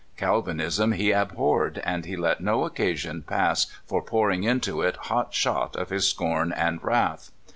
Calvinism he abhorred, and he let no occasion pass for pouring into it hot shot of his scorn and wrath.